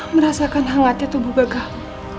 merasakan hangatnya tubuh gagal